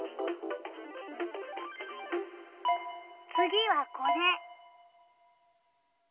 次はこれ。